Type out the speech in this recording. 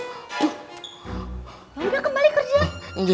ya udah kembali kerja